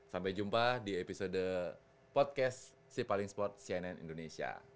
sampai jumpa di episode podcast cipaling sport cnn indonesia